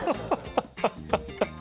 ハハハハ！